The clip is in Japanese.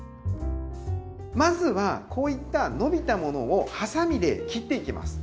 まずはこういった伸びたものをハサミで切っていきます。